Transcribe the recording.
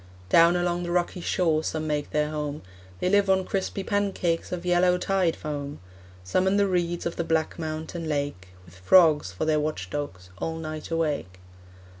Down along the rocky shore Some make their home, They live on crispy pancakes Of yellow tide foam; Some in the reeds Of the black mountain lake, With frogs for their watch dogs All night awake.